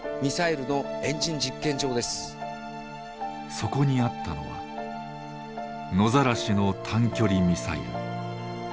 そこにあったのは野ざらしの短距離ミサイル。